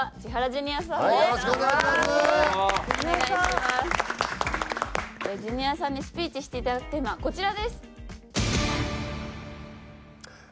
ジュニアさんにスピーチしていただくテーマはこちらです。